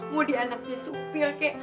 mau dia anaknya supir kek